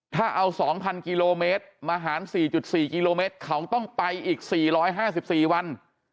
ถ้าเอา๒๐๐กิโลเมตรมาหาร๔๔กิโลเมตรเขาต้องไปอีก๔๕๔วัน